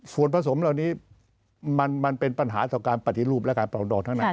ส่วนผสมเหล่านี้มันเป็นปัญหาต่อการปฏิรูปและการปรองดองทั้งนั้น